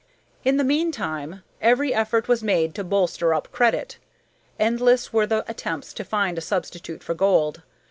In the mean time every effort was made to bolster up credit. Endless were the attempts to find a substitute for gold.